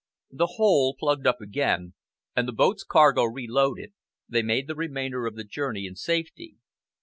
The hole plugged up again, and the boat's cargo reloaded, they made the remainder of the journey in safety.